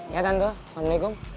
ya tante assalamualaikum